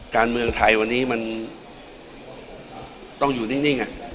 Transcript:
การเมืองไทยวันนี้มันต้องอยู่นิ่ง